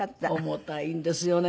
重たいんですよね。